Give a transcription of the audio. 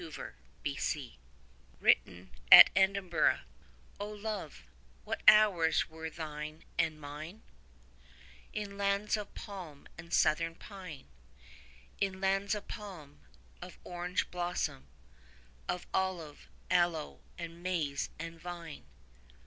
THE DAISY WRITTEN AT EDINBURGH O love, what hours were thine and mine, In lands of palm and southern pine; In lands of palm, of orange blossom, Of olive, aloe, and maize and vine.